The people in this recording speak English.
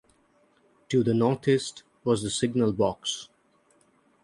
To the northeast was the signal box.